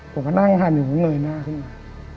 ผมก็นั่งหันอยู่ผมเงยหน้าขึ้นมา